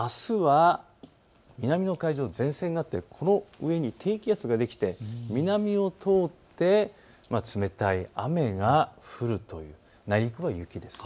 南の海上、前線があってこの上に低気圧ができて南を通って冷たい雨が降るという、内陸部は雪です。